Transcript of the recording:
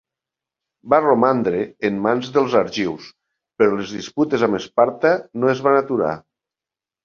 Va romandre en mans dels argius però les disputes amb Esparta no es van aturar.